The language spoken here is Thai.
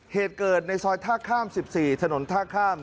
เหตุเกิดในซอยท่าข้าม๑๔ถนนท่าข้าม